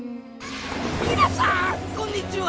みなさんこんにちは！